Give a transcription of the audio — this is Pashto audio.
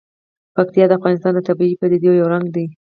پکتیا د افغانستان د طبیعي پدیدو یو رنګ دی.